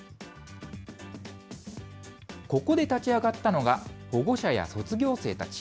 ここで立ち上がったのが、保護者や卒業生たち。